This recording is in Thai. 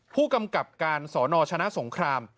ผู้กำกับการสนชนะสงคราม